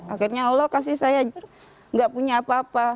akhirnya allah kasih saya gak punya apa apa